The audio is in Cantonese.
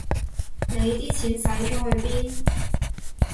你啲錢使咗去邊